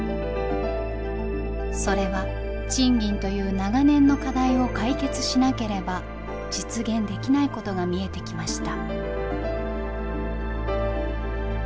それは賃金という長年の課題を解決しなければ実現できないことが見えてきました。